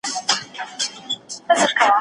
عدالت د نظام د ټینګښت سبب ګرځي.